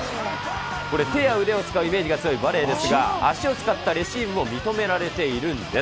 これ、手や腕を使うイメージが強いバレーですが、足を使ったレシーブも認められているんです。